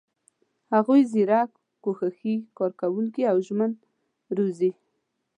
هغوی زیرک، کوښښي، کارکوونکي او ژمن روزي.